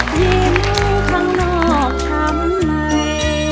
ยิ้มข้างนอกทำอะไร